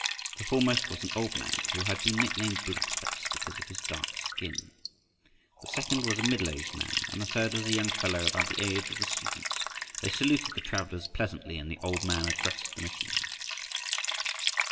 The foremost was an old man who had been nicknamed "Black face," because of his dark skin. The second was a middleaged man, and the third was a young fellow about the age of the students. They saluted the travelers pleasantly, and the old man addressed the missionary.